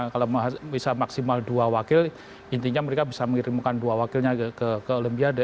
kalau bisa maksimal dua wakil intinya mereka bisa mengirimkan dua wakilnya ke olimpiade